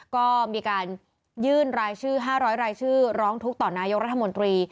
ก็มีการยื่นรายชื่อ๕๐๐รายชื่อร้องทุกข์ต่อนายกรัฐมนตรี